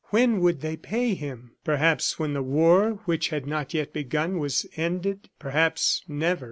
When would they pay him? ... Perhaps when the war which had not yet begun was ended perhaps never.